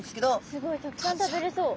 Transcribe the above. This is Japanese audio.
すごいたくさん食べれそう。